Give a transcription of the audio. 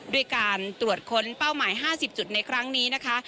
ด้วยการตรวจค้นเป้าหมาย๕๐จุดในครั้งนี้นะคะ